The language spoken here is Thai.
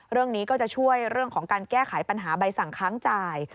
เรื่องนี้ก็จะช่วยเรื่องของการแก้ไขปัญหาใบสั่งค้างจ่าย